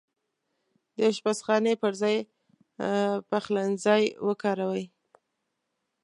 د اشپزخانې پرځاي پخلنځای وکاروئ